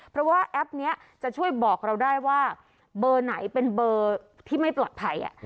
เพราะว่าแอปนี้จะช่วยบอกเราได้ว่าเบอร์ไหนเป็นเบอร์ที่ไม่ปลอดภัย